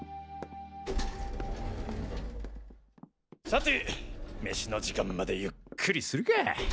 さて飯の時間までゆっくりするか。